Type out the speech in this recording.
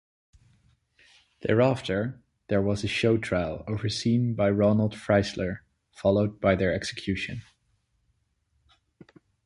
Thereafter, there was a show trial overseen by Roland Freisler, followed by their execution.